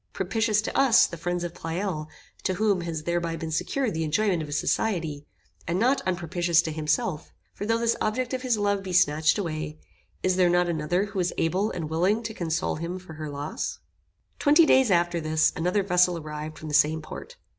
Propitious to us, the friends of Pleyel, to whom has thereby been secured the enjoyment of his society; and not unpropitious to himself; for though this object of his love be snatched away, is there not another who is able and willing to console him for her loss? Twenty days after this, another vessel arrived from the same port.